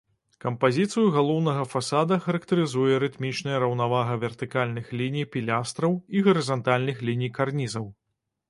Кампазіцыю галоўнага фасада характарызуе рытмічная раўнавага вертыкальных ліній пілястраў і гарызантальных ліній карнізаў.